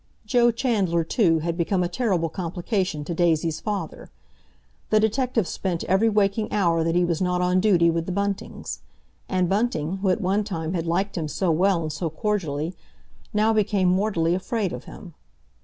Joe Chandler, too, had become a terrible complication to Daisy's father. The detective spent every waking hour that he was not on duty with the Buntings; and Bunting, who at one time had liked him so well and so cordially, now became mortally afraid of him.